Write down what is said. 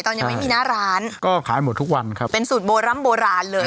ตอนนี้ไม่มีหน้าร้านก็ขายหมดทุกวันครับเป็นสูตรโบร่ำโบราณเลย